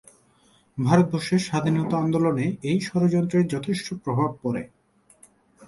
ভারতবর্ষের স্বাধীনতা আন্দোলনে এই ষড়যন্ত্রের যথেষ্ট প্রভাব পড়ে।